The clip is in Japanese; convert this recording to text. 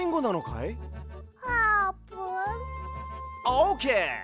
オーケー！